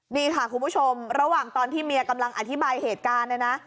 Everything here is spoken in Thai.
นี่ค่ะคุณผู้ชมระหว่างตอนที่เมียกำลังอธิบายเหตุการณ์เนี่ยนะ